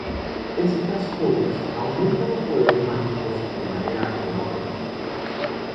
Estas joyas aumentan los poderes mágicos de manera enorme.